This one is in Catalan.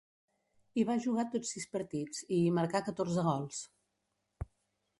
Hi va jugar tots sis partits, i hi marcà catorze gols.